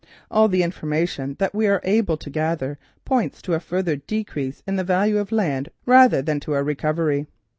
All the information that we are able to gather points to a further decrease in the value of the land rather than to a recovery.